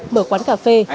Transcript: mở quán cà phê